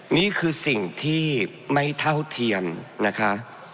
นี่คือสิ่งที่ไม่เท่าเทียมนะคะ